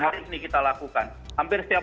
hari ini kita lakukan hampir setiap